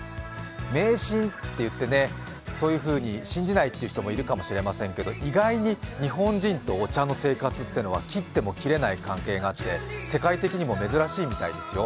迷信っていって、そういうふうに信じない人もいるかもしれませんが意外に日本人とお茶の生活っていうのは切っても切れない関係があって世界的にも珍しいみたいですよ。